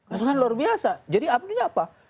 itu kan luar biasa jadi abdinya apa